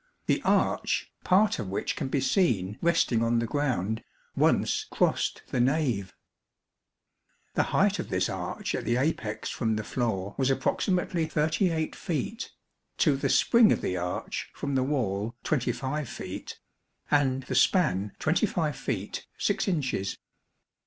The arch, part of which can be seen resting on the ground, once crossed the nave. The height of this arch at the apex from the floor was approximately 38 feet ; to the spring of the arch from the wall 25 feet ; and the span 25 feet 6 inches.